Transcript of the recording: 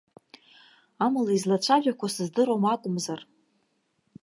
Амала, излацәажәақәо сыздыруам акәымзар.